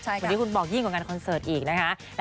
วันนี้คุณบอกยิ่งกว่างานคอนเสิร์ตอีกนะคะ